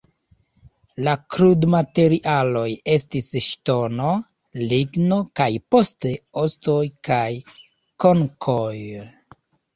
La krudmaterialoj estis ŝtono, ligno kaj poste ostoj kaj konkoj.